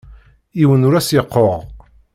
Yiwen ur as-reqquɣ.